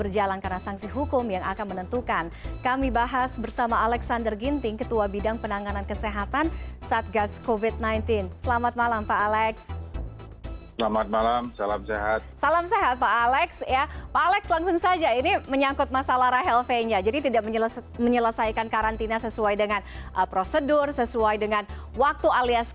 jadi situasi pandemi itu masih terus berlangsung